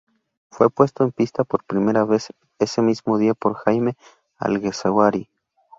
Fue puesto en pista por primera vez ese mismo día por Jaime Alguersuari.